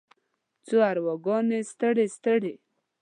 څو ارواګانې ستړې، ستړې